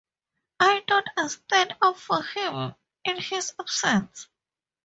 I thought I’d stand up for him in his absence.